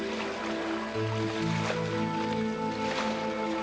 saya mau pergi ikan